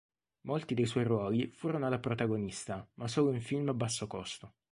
Molti dei suoi ruoli furono da protagonista, ma solo in film a basso costo.